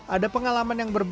ada pengalaman yang berbeda